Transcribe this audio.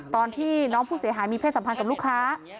ตอนที่น้องผู้เสียหายมีเพศสัมพันธ์กับลูกค้า